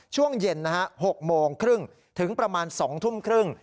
ช่วงเย็นนะฮะ๖โมงครึ่งถึงประมาณ๒ทุ่มครึ่ง